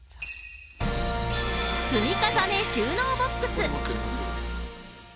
積み重ね収納ボックス。